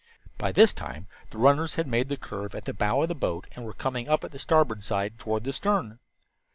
By this time the runners had made the curve at the bow of the boat and were coming up the starboard side, toward the stern.